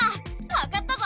わかったぞ！